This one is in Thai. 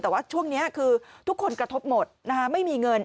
แต่ว่าช่วงนี้คือทุกคนกระทบหมดไม่มีเงิน